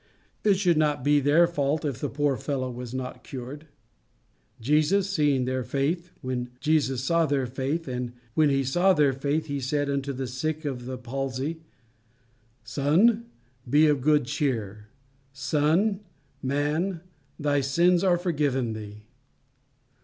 It should not be their fault if the poor fellow was not cured. "Jesus seeing their faith When Jesus saw their faith And when he saw their faith, he said unto the sick of the palsy, Son, be of good cheer Son Man, thy sins are forgiven thee."